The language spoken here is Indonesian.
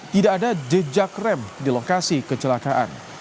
tidak ada jejak rem di lokasi kecelakaan